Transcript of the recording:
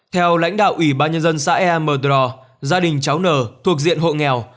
theo lãnh đạo ủy ban nhân dân xã ea mờ đò gia đình cháu n thuộc diện hộ nghèo